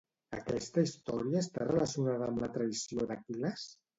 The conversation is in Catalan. Aquesta història està relacionada amb la traïció d'Aquil·les?